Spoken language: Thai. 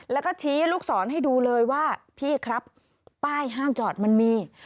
แล้วก็ชี้ลูกศรให้ดูเลยว่าพี่ครับป้ายห้ามจอดมันมี